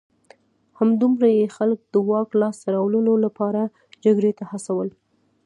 همدومره یې خلک د واک لاسته راوړلو لپاره جګړې ته هڅول